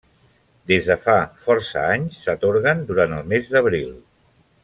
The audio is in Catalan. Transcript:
Des de fa força anys s'atorguen durant el mes d'abril.